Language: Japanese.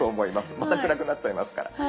また暗くなっちゃいますから。